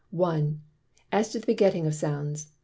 1. As to the Begetting of Sounds.